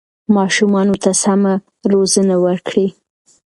ماشومانو ته سمه روزنه ورکړئ.